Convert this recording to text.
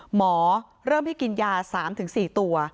หมอเริ่มให้กินยา๓๔ตัว